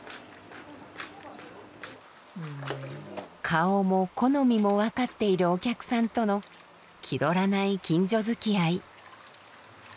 顔も好みも分かっているお客さんとの気取らない近所づきあい。